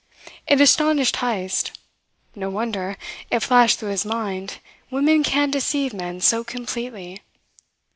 It astonished Heyst. No wonder, it flashed through his mind, women can deceive men so completely.